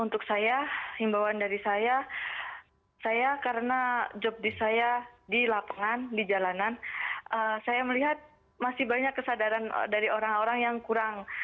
untuk saya himbawan dari saya saya karena job disk saya di lapangan di jalanan saya melihat masih banyak kesadaran dari orang orang yang kurang